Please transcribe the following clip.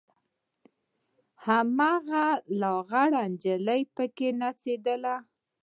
هماغه لغړه نجلۍ پکښې نڅېدله.